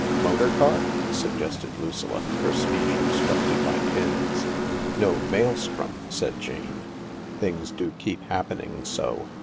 " Motor car ?" suggested Lucilla, her speech obstructed by pins. " No, maelstrom," said Jane. " Things do keep happen ing so.